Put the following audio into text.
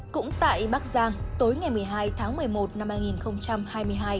cũng tại bắc giang tối ngày một mươi hai tháng một mươi một năm hai nghìn hai mươi hai